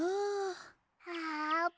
あーぷん。